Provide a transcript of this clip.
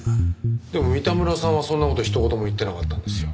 でも三田村さんはそんな事一言も言ってなかったんですよね。